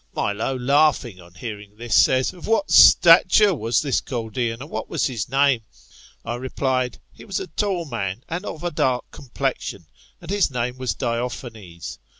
Milo, laughing on hearing this, said. Of what stature was this Chaldean, and what was his name? I replied. He was a tall man, and of a dark complexion, and his name was Diophanes.